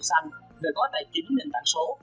xanh về có tài chính nền tảng số